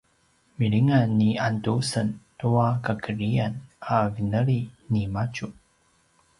“milingan ni Andusen tua kakedrian” a vineli nimadju